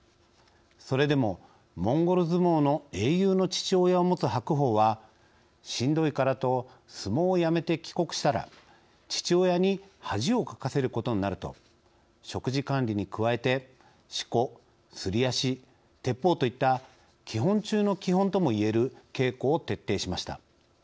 それでもモンゴル相撲の英雄の父親を持つ白鵬はしんどいからと相撲をやめて帰国したら父親に恥をかかせることになると食事管理に加えてしこ・すり足・てっぽうといった基本中の基本とも言える稽古を徹底しました。